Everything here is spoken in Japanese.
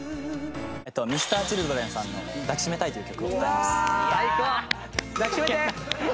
Ｍｒ．Ｃｈｉｌｄｒｅｎさんの『抱きしめたい』という曲を歌います。